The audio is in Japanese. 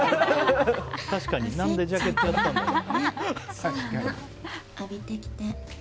確かに何でジャケットやったんだろう。